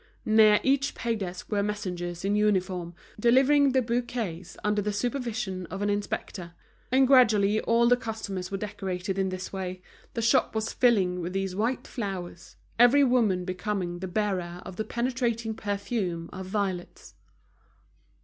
Near each pay desk were messengers in uniform, delivering the bouquets under the supervision of an inspector. And gradually all the customers were decorated in this way, the shop was filling with these white flowers, every woman becoming the bearer of a penetrating perfume of violets.